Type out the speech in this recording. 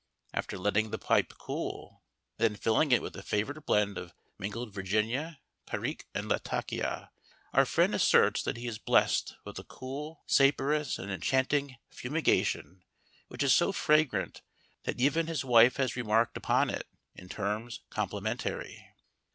After letting the pipe cool, and then filling it with a favourite blend of mingled Virginia, Perique, and Latakia, our friend asserts that he is blessed with a cool, saporous, and enchanting fumigation which is so fragrant that even his wife has remarked upon it in terms complimentary.